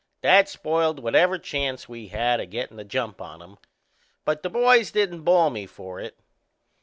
That spoiled whatever chance we had o' gettin' the jump on 'em; but the boys didn't bawl me for it.